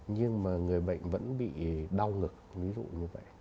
nhưng mà người bệnh vẫn bị đau ngực ví dụ như vậy